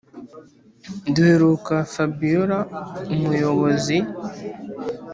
duheruka fabiora umuyobozi